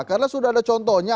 karena sudah ada contohnya